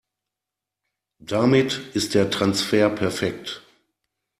Damit ist der Transfer perfekt.